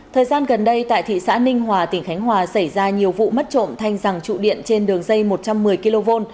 thời gian gần đây tại thị xã ninh hòa tỉnh khánh hòa xảy ra nhiều vụ mất trộm thanh rằng trụ điện trên đường dây một trăm một mươi kv